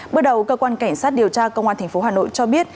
bước đầu cơ quan cảnh sát điều tra công an tp hà nội cho biết